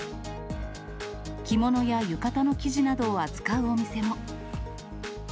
着物や浴衣の生地などを扱うお店も。